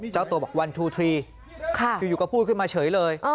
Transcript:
เจ้าตัวบอก๑๒๓ค่ะอยู่ก็พูดขึ้นมาเฉยเลย